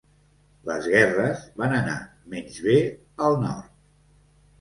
Les guerres van anar menys bé al nord.